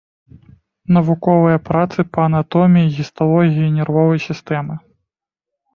Навуковыя працы па анатоміі і гісталогіі нервовай сістэмы.